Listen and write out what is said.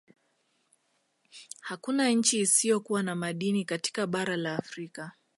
Hakuna nchi isiyo kuwa na madini katika bara la Afrika